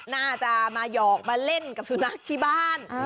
น่าจะมาหยอกมาเล่นกับสุนัขที่บ้าน